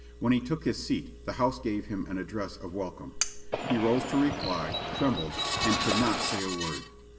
When he took his seat, the House gave him an address of welcome. He rose to reply, trembled, and could not say a word.